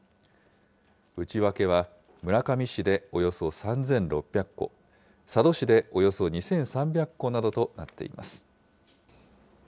内訳は、村上市でおよそ３６００戸、佐渡市でおよそ２３００戸などとなっています。